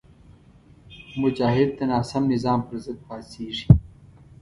مجاهد د ناسم نظام پر ضد پاڅېږي.